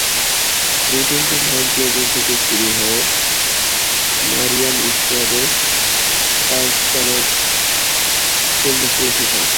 রুটটি Mount Pleasant থেকে শুরু হয়ে মারিয়ন স্কয়ারে চার্লসটনের কেন্দ্রস্থলে শেষ হয়।